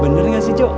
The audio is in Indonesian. bener gak sih ujo